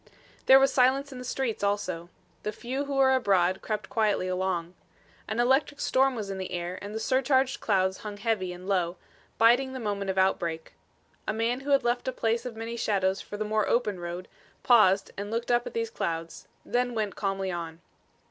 There was silence in the streets also. The few who were abroad, crept quietly along. An electric storm was in the air and the surcharged clouds hung heavy and low, biding the moment of outbreak. A man who had left a place of many shadows for the more open road, paused and looked up at these clouds; then went calmly on.